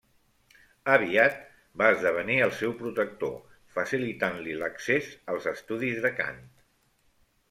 Aviat va esdevenir el seu protector, facilitant-li l'accés als estudis de cant.